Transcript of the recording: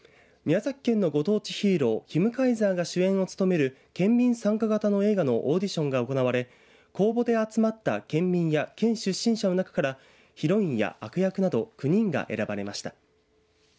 宮崎県のご当地ヒーローヒムカイザーが主演を務める県民参加型の映画のオーディションが行われ公募で集まった県民や県出身者の中からヒロインや悪役など９人が選ばれました。